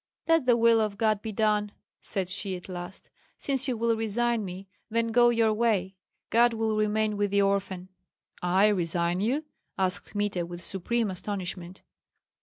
"Let the will of God be done," said she at last; "since you will resign me, then go your way. God will remain with the orphan." "I resign you?" asked Kmita, with supreme astonishment.